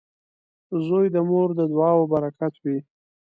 • زوی د مور د دعاو برکت وي.